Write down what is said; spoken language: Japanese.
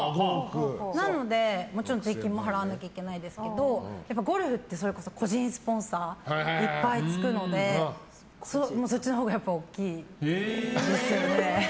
なので、もちろん税金も払わなきゃいけないですけどゴルフってそれこそ個人スポンサーがいっぱいつくのでそっちのほうが大きいですね。